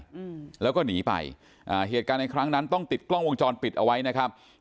อืมแล้วก็หนีไปอ่าเหตุการณ์ในครั้งนั้นต้องติดกล้องวงจรปิดเอาไว้นะครับ